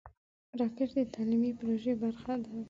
راکټ د تعلیمي پروژو برخه ده